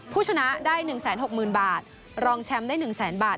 ผู้ชนะได้๑๖๐๐๐บาทรองแชมป์ได้๑แสนบาท